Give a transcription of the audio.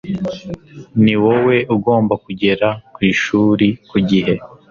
Ni wowe ugomba kugera ku ishuri ku gihe.